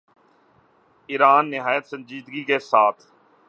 ایران نہایت سنجیدگی کے ساتھ